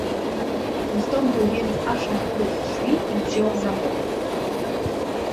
"Postąpił więc aż na próg drzwi i wziął za młotek."